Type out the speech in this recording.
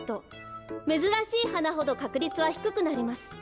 めずらしいはなほどかくりつはひくくなります。